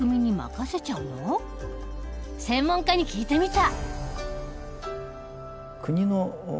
専門家に聞いてみた。